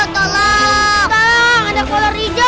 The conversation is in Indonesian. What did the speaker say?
tolong ada kolor hijau